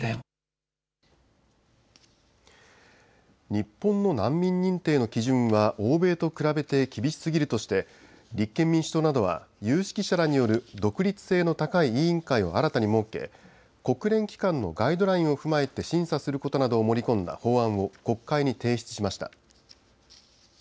日本の難民認定の基準は欧米と比べて厳しすぎるとして立憲民主党などは有識者らによる独立性の高い委員会を新たに設け国連機関のガイドラインを踏まえて審査することなどを盛り込んだ法案を国会に提出しました。